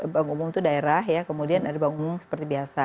bank umum itu daerah ya kemudian ada bank umum seperti biasa